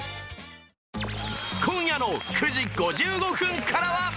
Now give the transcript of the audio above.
今夜の９時５５分からは